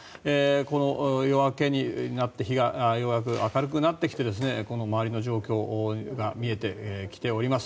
この夜明けになってようやく明るくなってきて周りの状況が見えてきております。